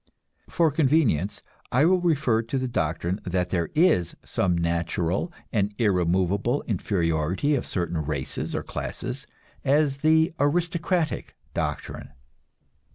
For convenience I will refer to the doctrine that there is some natural and irremovable inferiority of certain races or classes, as the aristocratic doctrine.